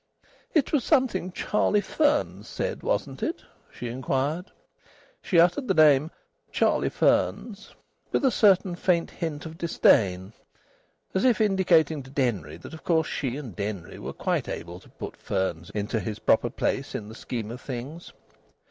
"It was something Charlie Fearns said, wasn't it?" she inquired. She uttered the name "Charlie Fearns" with a certain faint hint of disdain, as if indicating to Denry that of course she and Denry were quite able to put Fearns into his proper place in the scheme of things.